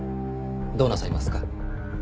どうなさいますか？